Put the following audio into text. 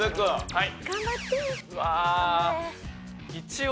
はい。